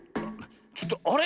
ちょっとあれ？